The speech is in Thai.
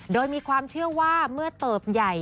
โดยมีความเชื่อว่าเมื่อเติบใหญ่